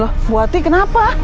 loh bu hati kenapa